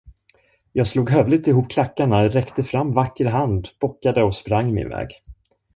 Jag slog hövligt ihop klackarna, räckte fram vacker hand, bockade och sprang min väg.